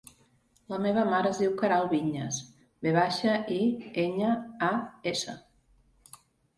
La meva mare es diu Queralt Viñas: ve baixa, i, enya, a, essa.